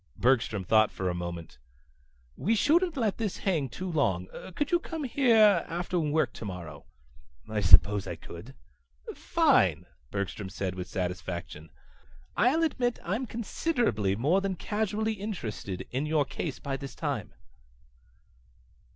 Bergstrom thought for a moment. "We shouldn't let this hang too long. Could you come here after work tomorrow?" "I suppose I could." "Fine," Bergstrom said with satisfaction. "I'll admit I'm considerably more than casually interested in your case by this time."